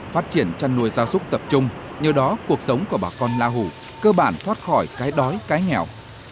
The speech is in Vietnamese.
phát triển chăn nuôi gia súc tập trung nhờ đó cuộc sống của bà con la hủ cơ bản thoát khỏi cái đói cái nghèo